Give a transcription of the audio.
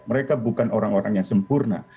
mereka bukan orang orang yang sempurna